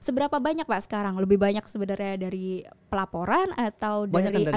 seberapa banyak pak sekarang lebih banyak sebenarnya dari pelaporan atau dari hasil